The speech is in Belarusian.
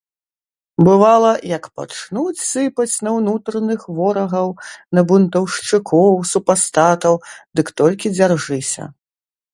Бывала, як пачнуць сыпаць на ўнутраных ворагаў, на бунтаўшчыкоў, супастатаў, дык толькі дзяржыся!